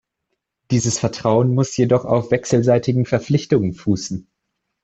Dieses Vertrauen muss jedoch auf wechselseitigen Verpflichtungen fußen.